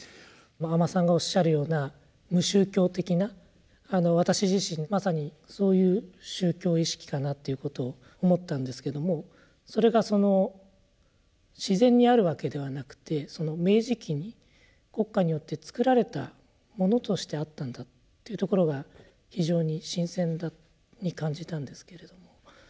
阿満さんがおっしゃるような無宗教的な私自身まさにそういう宗教意識かなということを思ったんですけどもそれがその自然にあるわけではなくて明治期に国家によってつくられたものとしてあったんだというところが非常に新鮮に感じたんですけれども。